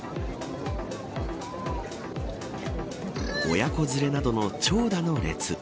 親子連れなどの長蛇の列。